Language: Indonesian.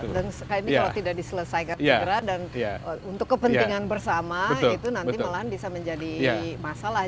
dan sekarang ini kalau tidak diselesaikan negara dan untuk kepentingan bersama itu nanti malahan bisa menjadi masalah